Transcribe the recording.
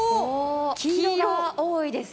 黄色が多いです。